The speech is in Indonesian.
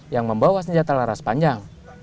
yang membawa senjata laras panjang